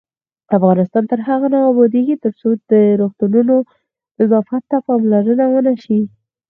افغانستان تر هغو نه ابادیږي، ترڅو د روغتونونو نظافت ته پاملرنه ونشي.